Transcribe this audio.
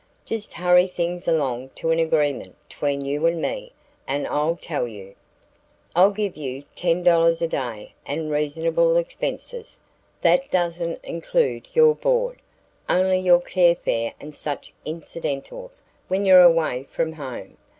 "Just hurry things along to an agreement tween you and me, and I'll tell you." "I'll give you $10 a day and reasonable expenses. That doesn't include your board; only your carfare and such incidentals when you're away from home.